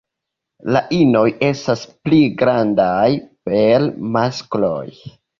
La inoj estas pli grandaj pl maskloj.